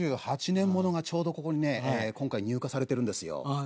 ７８年物がちょうどここにね今回入荷されてるんですよ。